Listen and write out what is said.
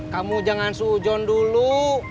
kamu jangan sujon dulu